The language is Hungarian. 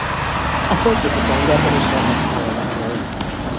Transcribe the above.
A Földközi-tengerben is vannak állományai.